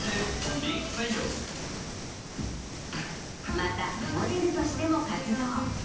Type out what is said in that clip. また、モデルとしても活動。